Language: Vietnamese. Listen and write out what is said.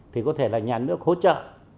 thì có thể là nhà nước hỗ trợ